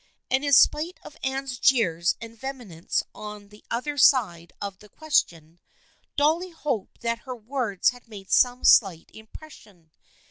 And in spite of Anne's jeers and vehemence on the other side of the question, Dolly hoped that her words had made some slight impression.